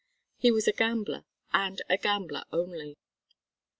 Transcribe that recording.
He was a gambler, and a gambler only.